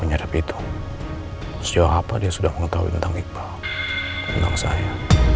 mengatakan thomas adalah mampu ketemu dengan saya